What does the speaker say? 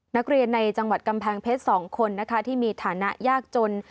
นักเรียนในจังหวัดกำแพงเพชร๒คนที่มีฐานะยากจน